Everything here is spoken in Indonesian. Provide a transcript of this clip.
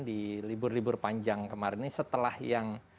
di libur libur panjang kemarin ini setelah yang